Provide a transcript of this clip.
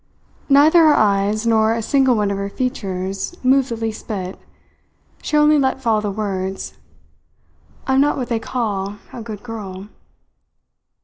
Neither her eyes nor a single one of her features moved the least bit. She only let fall the words: "I am not what they call a good girl."